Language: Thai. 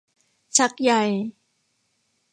ชักใย